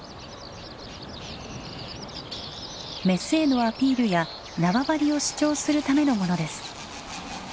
メスへのアピールや縄張りを主張するためのものです。